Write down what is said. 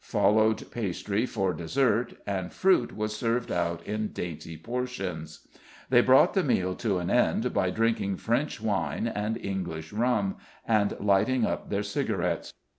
Followed pastry for dessert, and fruit was served out in dainty portions. They brought the meal to an end by drinking French wine and English rum, and lighting up their cigarettes.